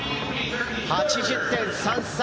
８０．３３。